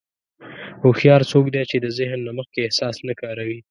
هوښیار څوک دی چې د ذهن نه مخکې احساس نه کاروي.